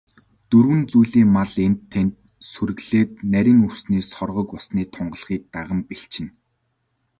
Дөрвөн зүйлийн мал энд тэнд сүрэглээд, нарийн өвсний соргог, усны тунгалгийг даган бэлчинэ.